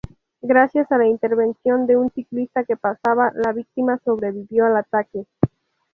Gracias a la intervención de un ciclista que pasaba, la víctima sobrevivió al ataque.